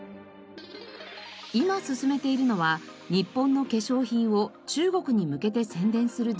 今進めているのは日本の化粧品を中国に向けて宣伝する事業です。